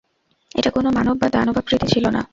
এটা কোন মানব বা দানবাকৃতি ছিল না।